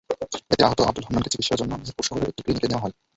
এতে আহত আবদুল হান্নানকে চিকিৎসার জন্য মেহেরপুর শহরের একটি ক্লিনিকে নেওয়া হয়।